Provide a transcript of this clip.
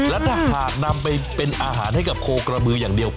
แล้วถ้าหากนำไปเป็นอาหารให้กับโคกระบืออย่างเดียว